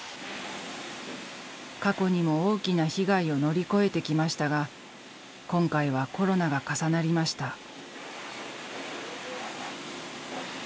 過去にも大きな被害を乗り越えてきましたが今回はコロナが重なりました。